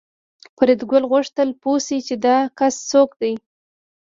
فریدګل غوښتل پوه شي چې دا کس څوک دی